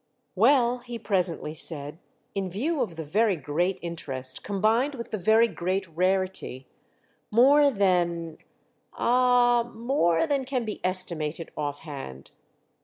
"Well," he presently said, "in view of the very great interest combined with the very great rarity, more than—ah more than can be estimated off hand."